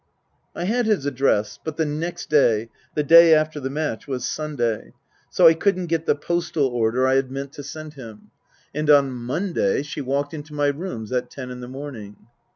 I had his address, but the next day the day after the match was Sunday, so I couldn't get the postal order I 10 Tasker Jevons had meant to send him. And on Monday she walked into my rooms at ten in the morning.